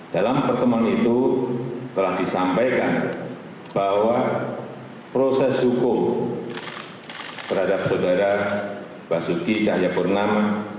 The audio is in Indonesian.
dalam pertemuan itu telah disampaikan bahwa proses hukum terhadap saudara mbak suki cahyapurnam